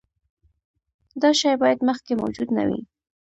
دا شی باید مخکې موجود نه وي.